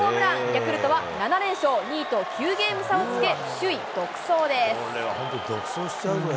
ヤクルトは７連勝、２位と９ゲーム差をつけ、首位独走です。